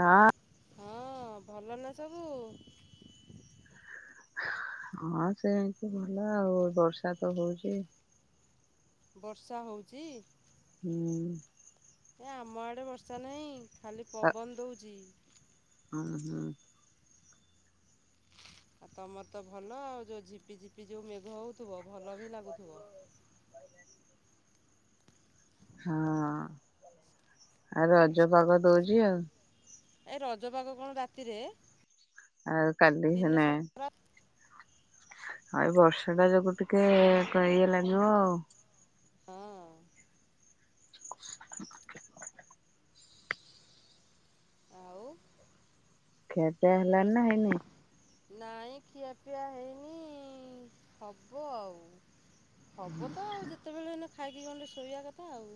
ଅଁ। ହଁ, ଭଲ ନା ସବୁ? ହଁ, ସେମତି ଭଲ ଆଉ ବର୍ଷା ତ ହଉଛି। ବର୍ଷା ହଉଚି? ହୁଁ। ଏ ଆମ ଆଡ଼େ ବର୍ଷା ନାହିଁ ଖାଲି ପବନ ଦଉଚ ବରଛି।। ହୁଁ ହୁଁ।। ଆଉ ତମର ତ ଭଲ ଆଉ ଯେଉଁ ଝିପି ଝିପି ଯେଉଁ ମେଘ ହେଉଥିବ ଭଲ ବି ଲାଗୁଥିବ। ହଁ ଆଉ ରଜ ପାଗ ଦଉଚି ଆଉ। ଏଇ ରଜପାଗ କଣ ରାତିରେ? ଆଉ କାଲି ଦିନ ହେନେ। ସାରା ପୁରା। ହ ଏ ବର୍ଷ ଟା ଯୋଗୁ ଟିକେ କ ଇଏ ଲାଗିବ ଆଉ। ହଁ। [inaudible] ଆଉ ଏବେ ରୋ ହେଲାଣି ନା ହେଇନେ? ନାଇଁ ଖିଆପିଆ ହେଇନି ହବ ଆଉ। ହବ ତ ଆଉ ଆଚ୍ଛା ଯେତେବେଳେ ହେନେ ଖାଇକି ଗଣ୍ଡେ ଶୋଇବା କଥା ଆଉ।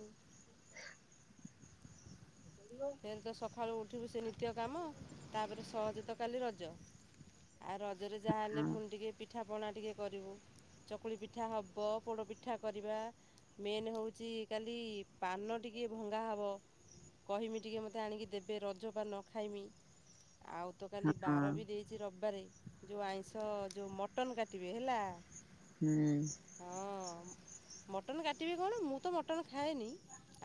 ଫେରେ ତ ସକାଳୁ ଉଠିବୁ ସେ ନିତ୍ୟ କାମ ତାପରେ ସହଯେ ତ କାଲି ରଜ। ଆଉ ରଜରେ ଯାହାହେଲେ ହଁ ଫୁଣି ଟିକି ପିଠାପଣା ଟିକେ କରିବୁ। ଚକୁଳି ପିଠା ହବ ପୋଡ଼ପିଠା କରିବା। ମେନ୍ ହଉଛି କାଲି ପାନ ଟିକେ ଭଙ୍ଗା ହବ। କହିମି ଟିକେ ମତେ ଆଣିକି ଦେବେ ରଜ ପାନ ଖାଇମି। ଆଉ ତ କାଲି ହଁ ବାର ବି ଦେଇ ଆଜି ରବିବାରେ ଯେଉଁ ଆଇଁଷ ଯେଉଁ ମଟନ୍ କାଟିବେ ହେଲା। ହୁଁ। ହଁ ମଟନ୍ କାଟିବେ କଣ ମୁଁ ତ ମଟନ୍ ଖାଏନି।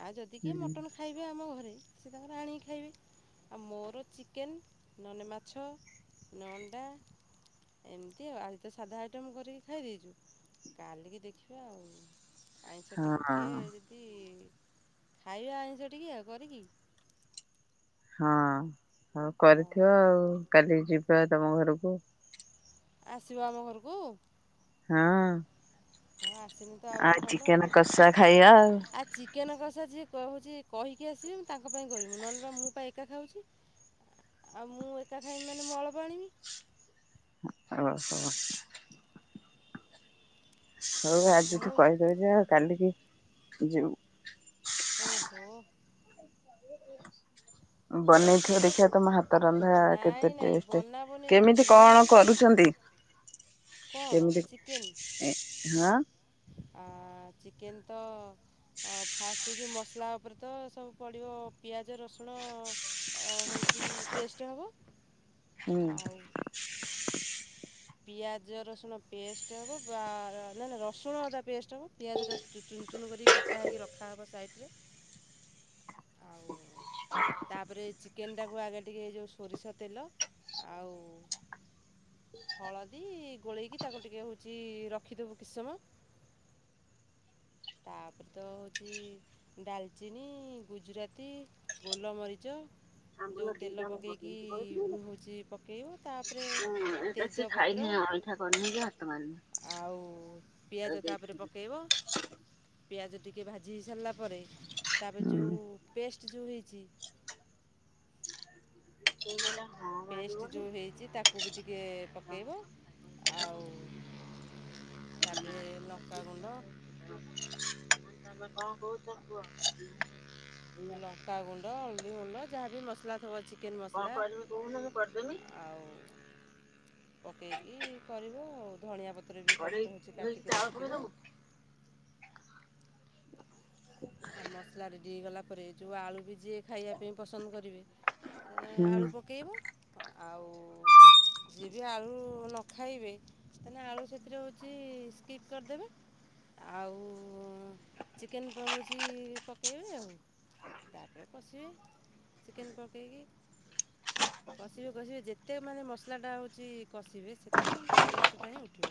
ଆଉ ଯଦି କିଏ ହୁଁ ମଟନ୍ ଖାଇବେ ଆମ ଘରେ ସେ ତାଙ୍କର ଆଣିକି ଖାଇବେ। ଆଉ ମୋର ଚିକେନ ନନେ ମାଛ ନ ଅଣ୍ଡା ଏମିତି ଆଉ ଆଜି ତ ସାଧା ଆଇଟମ୍ କରିକି ଖାଇ ଦେଇଚୁ। କାଲିକି ଦେଖିବା ଆଉ। ଆଇଁଷ ହଁ ଟିକେ ଯଦି ଖାଇବା ଆଇଁଷ ଟିକେ ଆଉ କରିକି। ହଁ ହଉ ହଁ। କରିଥିବ ଆଉ କାଲି ଯିବା ତମ ଘରକୁ। ଆସିବ ଆମ ଘରକୁ? ହଁ ହଁ ଆସିନି ତ ଆହୁରି ଆଉ ଭଲ ଚିକେନ କଷା ଖାଇବା ଆଉ। ଚିକେନ କଷା ଯିଏ କଉଛି କହିକି ଆସିବେ ମୁଁ ତାଙ୍କ ପାଇଁ କରିମୁ ନହେନେ ବା ମୁଁ ପା ଏକା ଖାଉଚି। ଆଉ ମୁଁ ଏକା ଖାଇମି ମାନେ ମୁଁ ଅଳପ ଆଣିମି। ଓ ହ। ହଉ ଆଉ ଆଜି ଠୁ ମୁଁ କହିଦଉଚି ଆଉ କାଲିକି ଯିମୁ। ଓହୋ। ବନେଇଥିବ ଦେଖି ଖିଆ ତମ ହାତ ରନ୍ଧା ନାଇଁ କେତେ ନାଇଁ ଟେଷ୍ଟ ବନାବନି ନାହିଁ କେମିତି ମୁଁ କଣ କରୁଚନ୍ତି? କଣ ଚିକେନ୍? ଆଁ ଆ ଚିକେନ ତ ଆଉ ଫାଷ୍ଟ ଯେଉ ମସଲା ଉପରେ ତ ସବୁ ପଡ଼ିବ ପିଆଜ, ରସୁଣ ଓ ହଉଚି ପେଷ୍ଟ ହବ ହୁଁ। ଆଉ ପିଆଜ ରସୁଣ ପେଷ୍ଟ ହବ ବା ନା ନା ରସୁଣ ଅଦା ପେଷ୍ଟ ହବ ପିଆଜଟା ଚୁନ ଚୁନ କରିକି କଟା ହେଇକି ରଖାହେବ ସାଇଟିରେ। ଆଉ [inaudible] ତାପରେ ଚିକେନ ଟାକୁ ଆଗେ ଟିକେ ଏ ଯଉ ସୋରିଷ ତେଲ ଆଉ ହଳଦୀ ଗୋଳେଇକି ତାକୁ ଟିକେ ହେଉଛି ରଖିଦେବୁ କିସମ। ତାପରେ ତ ହଉଚି ଡାଲଚିନି, ଗୁଜୁରାତି, ଗୋଲମରିଚ। ଯଉ ତେଲ ପକେଇକି ହେଉଛି ପକେଇବ ତାପରେ ସେ ଖାଇନି ତେଜପତ୍ର [unintelligible] ଆଉ ପିଆଜ ତାପରେ ପକେଇବ। ପିଆଜ ଟିକେ ଭାଜି ହେଇ ସାରିଲା ପରେ ତାପରେ ଯଉ ହୁଁ ପେଷ୍ଟ ଯଉ ହେଇଚି ପେଷ୍ଟ ଯଉଁ ହେଇଚି ତାକୁ ବି ଟିକେ ପକେଇବ ଆଉ ତାପରେ ଲଙ୍କା ଗୁଣ୍ଡ। ତମେ କଣ କହୁଛ କୁହ। ଲଙ୍କାଗୁଣ୍ଡ, ହଳଦୀ ଗୁଣ୍ଡ ଯାହା ବି ମସଲା ସବୁ ଅଛି। ଚିକେନ୍ ମସଲା ଆଉ ପକେଇକି କରିବ ଆଉ ଧଣିଆ ପତ୍ର ବି କଟ ହଉଚି କାଟିକି ରଖିଥିବ। [inaudible] ଆଉ ମସଲା ରେଡି ହେଇଗଲା ପରେ ଯଉ ଆଳୁ ବି ଯିଏ ଖାଇବା ପାଇଁ ପସନ୍ଦ କରିବେ ଆଳୁ ହୁଁ। ପକେଇବ ଆଉ ଯିଏ ବି ଆଳୁ ନ ଖାଇବେ ତାହେଲେ ଆଳୁ ସେଥିରେ ହେଉଛି ସ୍କିପ୍ କରିଦେବେ ଆଉ। ଓ ଚିକେନ୍ [unintelligible] ପକେଇବେ ଆଉ ତା ପରେ କଷିବେ ଚକେନ ପକେଇକି। କଷିବେ କଷିବେ ଯେତେ ଯେତେ ମାନେ ମସଲାଟା ହଉଛି କଷିବେ ସେତେ ମାନେ ତା ଟେଷ୍ଟଟା ହିଁ ଉଠିବ।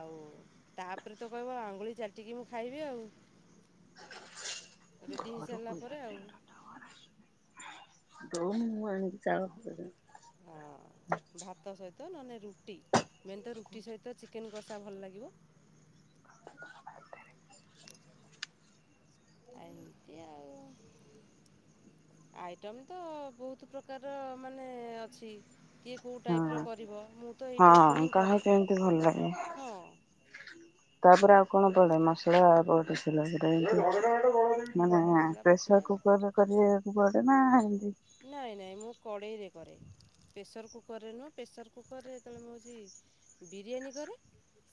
ଆଉ ତାପରେ ତ କହିବ ଆଙ୍ଗୁଳି ଚାଟିକି ମୁଁ ଖାଇବି ଆଉ। ରେଡି ଘରକୁ ହେଇସାରିଲା ପରେ ଆଉ। [unintelligible] ହଁ ଭାତ ସହିତ ନହେଲେ ରୁଟି ମେନ୍ ତ ରୁଟି ସହିତ ଚିକ କେନ୍ କଷା ଭଲ ଲାଗିବ। ଆ ଏମିତି [inaudible] ଆଇଟମ ତ ବହୁତ ପ୍ରକାରର ମାନେ ଅଛି। କିଏ କଉ ଟାଇପ୍ ହଁ ର କରିବ ମୁଁ ତ ଏଇ ଟାଇପ୍ ର ହଁ ହିଁ କରେ କାହାକୁ କେମିତି ଭଲ ଲାଗେ। ହଁ ତାପରେ ଆଉ କଣ ପଡେ ମସଲା [unintelligible] ମାନେ ପ୍ରେସର ମସଲା ପକାଏ କୁକର ରେ କରିବାକୁ ପଡେ ନା ଏମତି ନାଇଁ- ନାଇଁ ମୁଁ କଡ଼େଇରେ କରେ। ପ୍ରେସର୍ କୁକରରେ ନୁହେ, ପ୍ରେସର କୁକରରେ ଯେତେବେଳେ ମୁଁ ହଉଜି ବିରିୟାନୀ କରେ।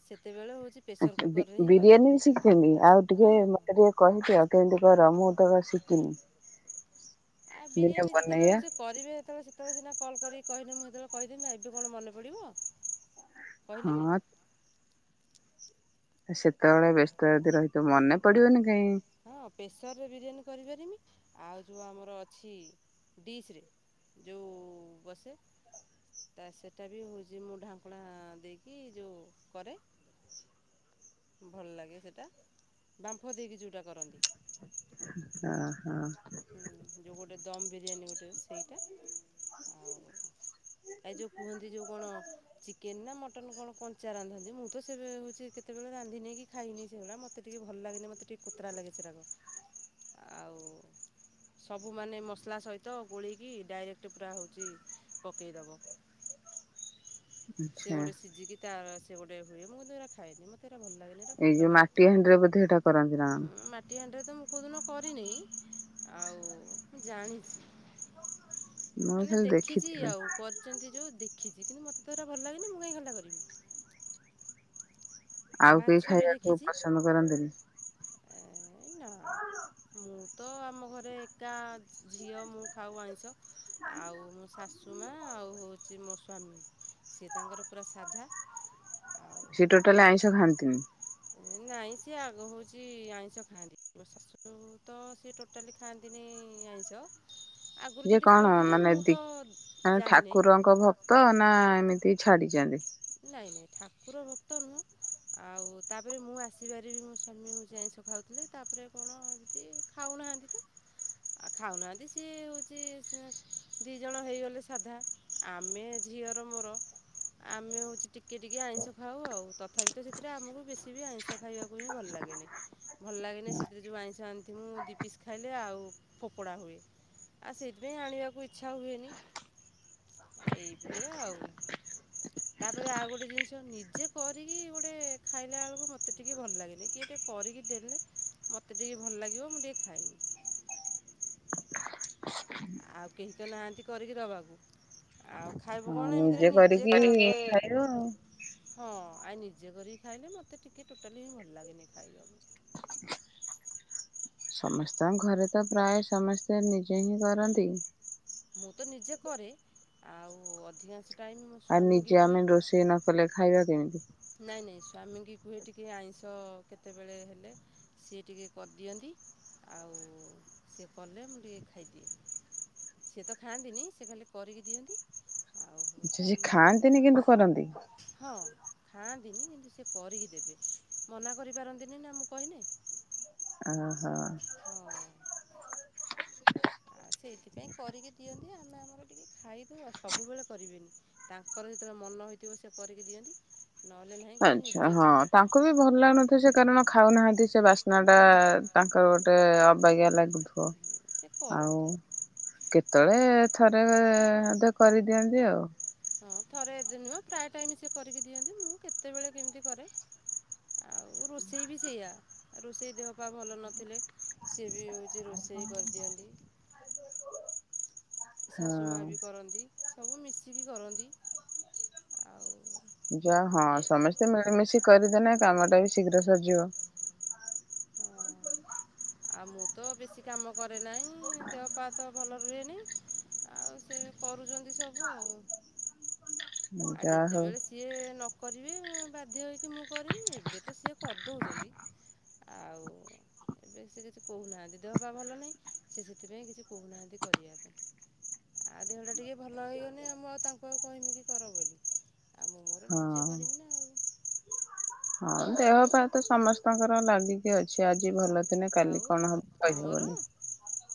ସେତେବେଳେ ହଉଚି ଆଛା ବି ବିରିୟାନୀ ବି ଶିଖିଛନ୍ତି ଆଉ ଟିକେ ହଁ ମତେ ଆଉ ଟିକେ କହିଦିଅ କେମିନ୍ତି କର ମୁଁ ତ ଶିଖିନି, ଦିନେ ବିରିୟାନୀ ଯେତେବେଳେ ବନେଇବା। ହେଉଛି କରିବେ ଯେତେବେଳେ ସେତେବେଳେ ସିନା କଲକରିକି କହିଲେ ମୁଁ ସେତେବେଳେ କହିଦେବି ନା ଏବେ କଣ ମନେ ପଡ଼ିବ। କହିଲେ। ହଁ ସେତେବେଳେ ବ୍ୟସ୍ତ ଯଦି ରହିଥିବ ମନେ ପଡିବନି କାଇ। ହଁ ପ୍ରେସରରେ ବିରିୟାନୀ କରିପାରିମି ଆଉ ଯଉ ଆମର ଅଛି ଡିସ୍‌ରେ। ଯଉ ବସେ ତା ସେଟା ବି ହଉଛି ମୁଁ ଢାଙ୍କୁଣା ଦେଇକି ଯୋଉ କରେ। ଭଲ ଲାଗେ ସେଟା ବାମ୍ଫ ଦେଇକି ଯୋଉଟା କରନ୍ତି। ହଁ-ହଁ। ହୁଁ ଯୋଉ ଗୋଟେ ଦମ୍ ବିରିୟାନୀ ଗୋଟେ ସେଇଟା। ଆଇ ଯୋଉ କୁହନ୍ତି ଯୋଉ କଣ ଚିକେନ୍ ନା ମଟନ୍ କଣ କଞ୍ଚା ରାନ୍ଧନ୍ତି, ମୁଁ ତ ସେବେ ହେଉଚି କେତେବେଳେ ରାନ୍ଧିନି କି ଖାଇନି ସେଗୁଡା ମ ମତେ ଟିକେ ଭଲ୍ ଲାଗେନି ମତେ ଟିକେ କୋତରା ଲାଗେ ସେରାକ, ଆଉ ସବୁ ମାନେ ମସଲା ସହିତ ଗୋଳେଇକି ଡାଇରେକ୍ଟ ପୁରା ହେଉଚି ପକେଇଦବ। ସେ ଆଚ୍ଛା ଗୋଟେ ସିଝିକି ତାର ସେ ଗୋଟେ ହୁଏ, ମୁଁ ସେଗୁରା ଖାଏନି ମତେ ଏଗୁରା ଭଲ୍ ଲାଗେନି। ଏରା ଏଇ କୋତରା ଯୋଉ ଲାଗେ ମାଟି ହାଣ୍ଡି ରେ ବୋଧେ ହେଇଟା କରନ୍ତି ନା କଣ। ମାଟି ହାଣ୍ଡିରେ ତ ମୁଁ କୋଉଦିନ କରିନେଇଁ। ଆଉ ମୁଁ ଜାଣିଚି, ମୁଁ ମାନେ ଖାଲି ଦେଖିଚି ଦେଖିଥିଲି ଆଉ। କରିଚନ୍ତି ଯୋଉ ଦେଖିଚି କିନ୍ତୁ ମୋତେ ତ ସେଗୁରା ଭଲ ଲାଗେନି ମୁଁ କାହିଁ [unintelligible] କରିବି। ଆଉ ମାଛ କେହି ବି ଖାଇବାକୁ ଦେଖିଛି ପସନ୍ଦ କରନ୍ତିନି? ଏ ନାଁ। ମୁଁ ତ ଆମ ଘରେ ଏକା ଝିଅ ମୁଁ ଖାଉ ଆଇଁଷ। ଆଉ ମୋ ଶାଶୁ ମା ଆଉ ହଉଚି ମୋ ସ୍ୱାମୀ ସେ ତାଙ୍କର ପୁରା ସାଧା। ଆଉ ସିଏ ଟୋଟାଲ୍ ଆଇଁଷ ଖାଆନ୍ତିନି। ନାଇଁ ସିଏ ଆଗ ହଉଚି ଆଇଁଷ ଖାଆନ୍ତି, ମୋ ଶାଶୁ ତ ସେ ଟୋ ଟାଲି ଖାଆନ୍ତିିନି ଆଇଁଷ। ଆଗରୁ ଇଏ ଯଦି କଣ ଖାଉଥିବେ ମାନେ ମୁଁ ତ ଦି ମାନେ ଜାଣିନି ଠାକୁରଙ୍କ ଭକ୍ କ୍ତ ନା ଏମିତି ଛାଡିଚନ୍ତି? ନାଇଁ-ନାଇଁ ଠାକୁର ଭକ୍ତ ନୁହଁ। ଆଉ ତାପରେ ମୁଁ ଆସିବାରେ ବି ମୋ ସ୍ୱାମୀ ହଉଚି ଆଇଁଷ ଖାଉଥିଲେ, ତାପରେ କଣ ଏମ୍ତି ଖାଉନାହାନ୍ତି [unintelligible] ଆଉ ଖାଉନାହାନ୍ତି ସିଏ ହଉଚି ସେ ଦି ଜଣ ହେଇଗଲେ ସାଧା, ଆମେ ଝିଅର ମୋର ଆମେ ହଉଚୁ ଟିକେ-ଟିକେ ଆଇଁଷ ଖାଉ ଆଉ, ତଥାପି ତ ସେଥିରେ ଆମକୁ ବେଶୀ ବି ଆଇଁଷ ଖାଇବାକୁ ହିଁ ଭଲ୍ ଲାଗେନି। ଭଲ୍ ଲାଗେନି ସେଥିରେ ଯୋଉ ଆଇଁଷ ଆଣିଥିମୁ, ମୁଁ ଦି ପିସ୍ ଖାଇଲେ ଆଉ ଫୋପୋଡ଼ା ହୁଏ। ଆଉ ସେଇଥିପାଇଁ ଆଣିବାକୁ ଇଚ୍ଛା ହୁଏନି, ଏଇଭଳିଆ ଆଉ। ତାପରେ ଆଉ ଗୋଟେ ଜିନିଷ ନିଜେ କରିକି ଗୋଟେ ଖାଇଲା ବେଳୁକୁ ମତେ ଟିକେ ଭଲ୍ ଲାଗେନି। କିଏ ଟିକେ କରିକି ଦେଲେ ମୋତେ ଟିକେ ଭଲ୍ ଲାଗିବ, ମୁଁ ଟିକେ ଖାଏ। ଆଉ କେହି ତ ନାହାଁନ୍ତି କରିକି ଦେବାକୁ, ଆଉ ଖାଇବ ହଁ କଣ ଏମ୍ତିରେ ନିଜେ କରିକି ଖାଇବ ଆଉ [inaudible] ହଁ ଆଇ ନିଜେ କରିକି ଖାଇଲେ ମୋତେ ଟିକେ ଟୋଟାଲି ହିଁ ଭଲ ଲାଗେନି ଖାଇବାକୁ। ସମସ୍ତଙ୍କ ଘରେ ତ ପ୍ରାୟ ସମସ୍ତେ ନିଜେ ହିଁ କରନ୍ତି। ମୁଁ ତ ନିଜେ କରେ, ଆଉ ଅଧିକାଂଶ ଟାଇମ୍ ମୋ ସ୍ୱାମୀଙ୍କୀ କୁହେ। ସିଏ ନ କଲେ ଖାଇବା କେମିତି। ନାଇଁ-ନାଇଁ ସ୍ଵାମୀଙ୍କି କୁହେ ଟିକେ ଆଇଁଷ କେତେବେଳେ ହେଲେ। ସିଏ ଟିକେ କରିଦିଅନ୍ତି, ଆଉ ସିଏ କଲେ ମୁଁ ଟିକେ ଖାଇଦିଏ। ସିଏ ତ ଖାଆନ୍ତିନି, ସିଏ ଖାଲି କରିକି ଦିଅନ୍ତି। ଆଉ ହେଉଛି ସିଏ ଆମେ ଖାଆନ୍ତିନି କିନ୍ତୁ କରନ୍ତି? ହଁ। ଖାଆନ୍ତିନି କିନ୍ତୁ ସେ କରିକି ଦେବେ, ମନା କରିପାରନ୍ତିନି ନା ମୁଁ କହିଲେ। ଅ ହ। ଆଉ ସେଇଥିପାଇଁ କରିକି ଦିଅନ୍ତି ଆମେ ଆମର ଟିକେ ଖାଇଦଉ, ଆଉ ସବୁବେଳେ କରିବେନି। ତାଙ୍କର ଯେତେବେଳେ ମନ ହେଇଥିବ ସେ କରିକି ଦିଅନ୍ତି। ନହେଲେ ନାହିଁ କହିବେ ଆଚ୍ଛା ନିଜେ ହଁ। କର ତାଙ୍କୁ ବି ଭଲ ଲାଗୁନଥିବ ସିଏ କାରଣ ଖାଉନାଆନ୍ତି ସେ ବାସ୍ନାଟା ତାଙ୍କୁ ଗୋଟେ ଅବାଗିଆ ଲାଗୁଥୁ ହଁ ସେ ଆଉ କରନ୍ତି। କେତେବେଳେ ଥରେ ଅଧେ କରିଦିଅନ୍ତି ଆଉ। ହଁ ଥରେ ଅଧେ ନୁହଁ ପ୍ରାୟ ଟାଇମି ସିଏ କରିକି ଦିଅନ୍ତି ମୁଁ କେତେବେଳେ କେମତି କରେ। ଆଉ ରୋଷେଇ ବି ସେଇଆ। ରୋଷେଇ ଦେହ ପା ଭଲ ନଥିଲେ ସିଏ ବି ହଉଚି ରୋଷେଇ କରିଦିଅନ୍ତି। ଶାଶୁ ମା ହଁ ବି କରନ୍ତି ସବୁ ମିଶିକି କରନ୍ତି ଆଉ ଯା ହଁ ଏ ସମେସ୍ତେ ମିଳିମିଶି କରିଦେନେ କାମଟା ବି ଶୀଘ୍ର ସରଯିବ। ହଁ। ଆଉ ମୁଁ ତ ବେଶୀ କାମ କରେ ନାହିଁ ଦେହ ପା ତ ଭଲ ରୁହେନି। ଆଉ ସେ କରୁଛନ୍ତି ସବୁ ଆଉ। ଆଉ ଯାହା ହଉ ଯେତେବେଳେ ସି ତିଏ ନ କରିବେ ମୁଁ ବାଧ୍ୟ ହୋଇକି ମୁଁ କରିମି ଏବେ ତ ସିଏ କରିଦଉଚନ୍ତି। ଆଉ ଏବେ ସେ କିଛି କହୁନାହାନ୍ତି ଦେହ ପା ଭଲ ନାହିଁ ସେ ସେଥିପାଇଁ କିଛି କହୁନାହାନ୍ତି କରିବା ପାଇଁ। ଆଉ ଦେହଟା ଟିକେ ଭଲ ହେଇଗନେ ମୁଁ ଆଉ ତାଙ୍କୁ ଆଉ କହମି କି କର ବୋଲି ଆଉ ମୁଁ ମୋର ନିଜେ ହଁ। କରିମି ନା ଆଉ। ହଁ ଦେହ ପା ତ ସମସ୍ତଙ୍କର ଲାଗିକି ଅଛି ଆଜି ଭଲ ଥିନେ କାଲି ଆଉ କଣ ହବ୍ ତମର କହିହବନି।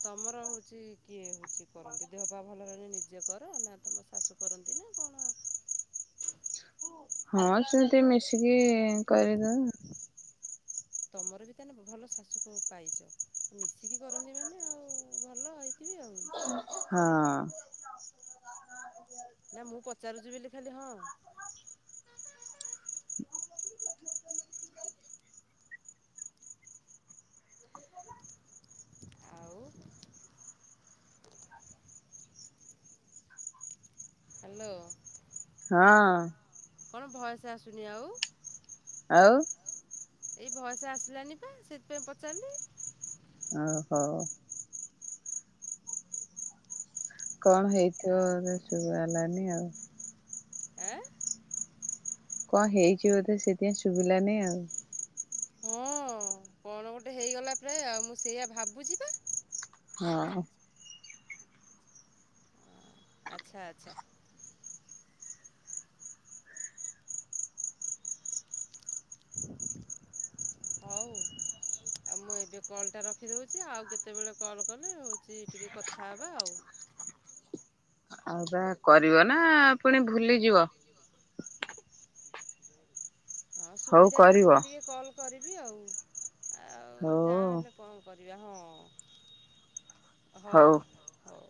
ତମର ହଉଚି କିଏ ହଉଚି କରନ୍ତି ଦେହ ପା ଭଲ ରହିଲେ ନିଜେ କର ନା ତମ ଶାଶୁ କରନ୍ତି ନା କଣ ଆଉ? ହଁ ସିମତି ମିଶିକି କରିଦଉ। ତମର ବି ତାନେ ଭଲ ଶାଶୁ ପ ପାଇଚ। ମିଶିକି କରନ୍ତି ମାନେ ଆଉ ଭଲ ହେଇଥିବେ ଆଉ। ହଁ। ନା ମୁଁ ପଚାରୁଚି ବେଲି ଖାଲି ହଁ। ଆଉ ହାଲୋ। ହଁ। କଣ ଭଏସ୍ ଆସୁନି ଆଉ। ଆଉ। ଏଇ ଭଏସ୍ ଆସିଲାନି ପା ସେଇଥିପାଇଁ ପଚାରିଲି। ଓ ହୋ। କଣ ହେଇଥିବ ଆଉ ବୋଧେ କଣ ଶୁଭା ହେଲାନି ଆଉ। ଆଁ। କଁ ହେଇଛି ବୋଧେ ସେଇଥିପାଇଁ ଶୁଭିଲାନି ଆଉ। ହଁ କଣ ଗୋଟେ ହେଇଗଲା ପ୍ରାୟ ମୁଁ ସେଇଆ ଭାବୁଛି ପା। ହଁ। ହଁ ଆଚ୍ଛା ଆଚ୍ଛା। ହଉ। ଆଉ ମୁଁ ଏବେ କଲଟା ରଖିଦଉଛି ଆଉ କେତେବେଳେ କଲ୍ କଲେ ହଉଛି ଟିକେ କଥା ହବା ଆଉ। ଆଉ ବା କରିବ ନା ଫୁଣି ଭୁଲିଯିବ? ହଁ ହଉ ସୁବିଧା ଦେଖିକି କରିବ ଟିକେ କଲ୍ କରିବି ଆଉ ଆଉ ଯାହା ହଉ ହେଲେ କଣ କରିବା ହଁ ହଉ ହଉ।